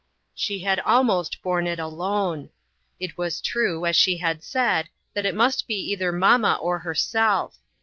She had almost borne it alone. It was true, as she had said, that it must be either mamma or herself.